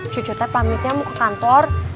cucunya pamitnya mau ke kantor